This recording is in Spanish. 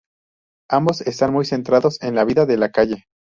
Ambos están muy centrados en la vida de la calle.